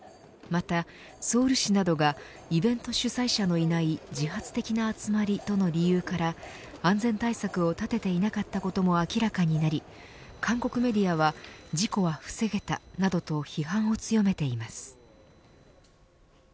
また、ソウル市などがイベント主催者のいない自発的な集まりとの理由から安全対策を立てていなかったことも明らかになり、韓国メディアは事故は防げたなどと批判を強めています。